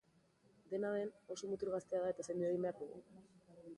Dena den, oso mutil gaztea da eta zaindu egin behar dugu.